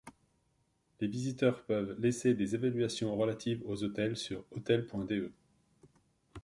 Les visiteurs peuvent laisser des évaluations relatives aux hôtels sur hotel.de.